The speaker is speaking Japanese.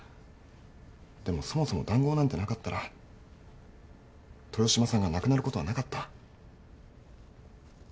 でもそもそも談合なんてなかったら豊島さんが亡くなることはなかった。